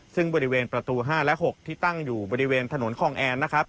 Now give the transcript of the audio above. ซึ่งบริเวณประตู๕และ๖ที่ตั้งอยู่บริเวณถนนคองแอนนะครับ